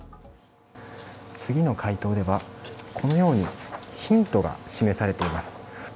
次の回答では、このようにヒントが示されています。